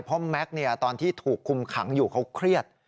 เพราะแม็กซ์ตอนที่ถูกคุมขังอยู่เขาเครียด